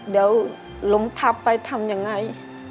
เดี๋ยวลมทัพไปทำยังไง